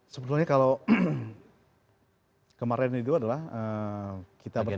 sebetulnya kalau kemarin itu adalah kita berharap